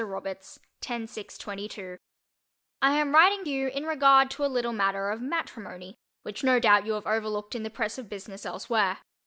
ROBERTS: 10 6 22 I am writing you in regard to a little matter of matrimony which no doubt you have overlooked in the press of business elsewhere.